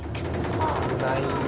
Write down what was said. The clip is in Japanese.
危ないね。